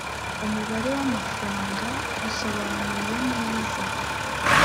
umubare w’amafaranga usobanuye neza